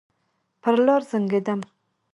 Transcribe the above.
پر لار زنګېدم.